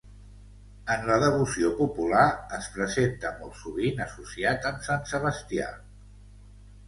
En la devoció popular es presenta molt sovint associat amb Sant Sebastià.